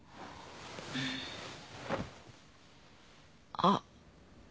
あっ。